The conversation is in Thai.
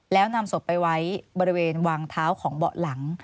แล้วนำศพไปไว้บริเวณวางเท้าของเบาะหลัง